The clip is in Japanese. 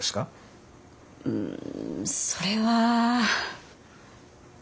んそれは。